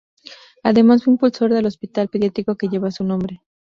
Además fue impulsor del hospital pediátrico que lleva su nombre.